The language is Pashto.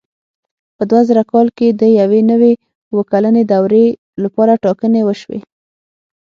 په دوه زره کال کې د یوې نوې اووه کلنې دورې لپاره ټاکنې وشوې.